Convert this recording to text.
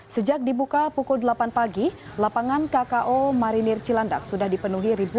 sejak dibuka pukul delapan pagi lapangan kko marinir cilandak sudah dipenuhi ribuan